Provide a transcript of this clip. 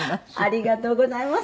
ありがとうございます。